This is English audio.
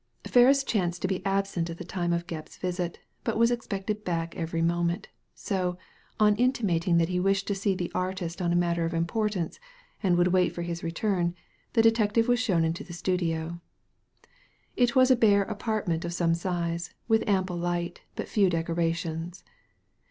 Ferris chanced to be absent at the time of Gebb*s visit, but was expected back every moment ; so, on intimating that he wished to see the artist on a matter of importance, and would wait for his return, the detective was shown into the studio. It was a bare apartment of some size, with ample light, but few decorations.